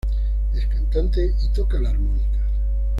Es cantante y toca la armónica.